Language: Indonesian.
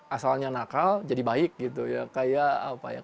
asalnya nakal jadi baik gitu ya kayak apa ya